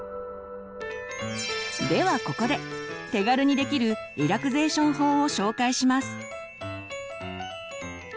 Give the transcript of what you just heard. ではここで手軽にできるリラクゼーション法を紹介します。